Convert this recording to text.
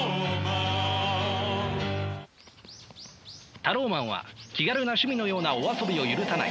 タローマンは気軽な趣味のようなお遊びを許さない。